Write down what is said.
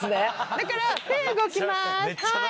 だから手動きますはい。